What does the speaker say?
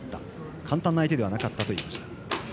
簡単な相手ではなかったと言っていました。